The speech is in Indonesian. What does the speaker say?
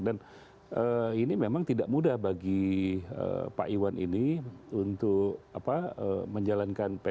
dan ini memang tidak mudah bagi pak iwan ini untuk menjalankan pssi ini